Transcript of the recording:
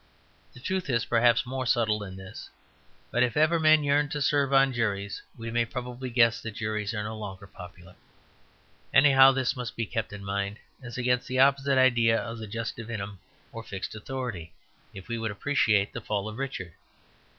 The truth is, perhaps, more subtle than this; but if ever men yearn to serve on juries we may probably guess that juries are no longer popular. Anyhow, this must be kept in mind, as against the opposite idea of the jus divinum or fixed authority, if we would appreciate the fall of Richard.